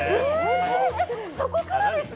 そこからですか！